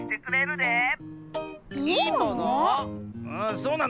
そうなの？